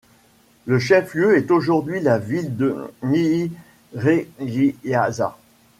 Son chef-lieu est aujourd'hui la ville de Nyíregyháza.